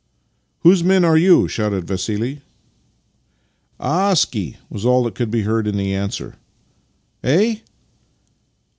" Whose men are you? " shouted Vassili. " A a a skie !" was all that could be heard in answer. "Eh?"